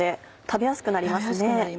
食べやすくなります。